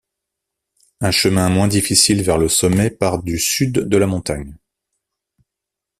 Un chemin moins difficile vers le sommet part du sud de la montagne.